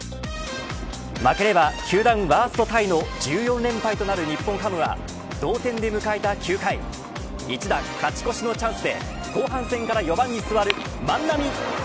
負ければ球団ワーストタイの１４連敗となる日本ハムは同点で迎えた９回一打勝ち越しのチャンスで後半戦から４番に座る万波。